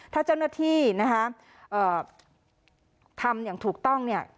ถ้าเจ้าหน้าที่นะคะทำอย่างถูกต้องเนี่ย